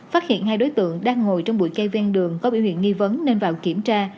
phát hiện hai đối tượng đang ngồi trong bụi cây ven đường có biểu hiện nghi vấn nên vào kiểm tra